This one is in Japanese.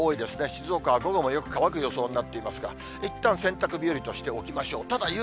静岡は午後もよく乾く予想になっていますが、いったん、洗濯日和としておきましょう。